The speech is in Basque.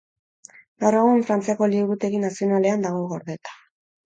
Gaur egun Frantziako Liburutegi Nazionalean dago gordeta.